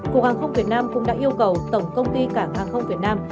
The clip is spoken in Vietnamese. cục hàng không việt nam cũng đã yêu cầu tổng công ty cảng hàng không việt nam